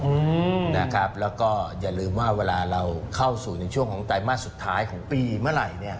อืมนะครับแล้วก็อย่าลืมว่าเวลาเราเข้าสู่ในช่วงของไตรมาสสุดท้ายของปีเมื่อไหร่เนี่ย